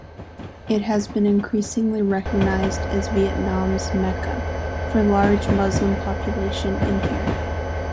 It has been increasingly recognized as Vietnam's Mecca, for large Muslim population in here.